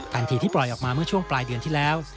ที่ปล่อยออกมาเมื่อช่วงปลายเดือนที่แล้ว